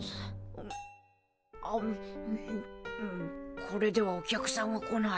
あむうんこれではお客さんは来ない。